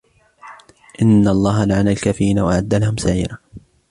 إِنَّ اللَّهَ لَعَنَ الْكَافِرِينَ وَأَعَدَّ لَهُمْ سَعِيرًا